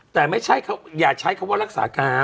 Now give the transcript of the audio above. แต่ไม่ใช่อย่าใช้คำว่ารักษาการ